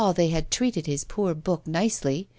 they had treated his poor book nicely!